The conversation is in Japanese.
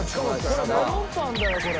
これメロンパンだよこれ。